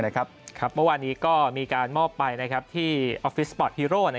เมื่อวานนี้ก็มีการมอบไปที่ออฟฟิศสปอร์ตฮีโร่